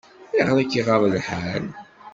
Ayɣer i k-iɣaḍ lḥal?